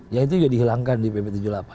yang itu sudah dihilangkan di pp tujuh puluh delapan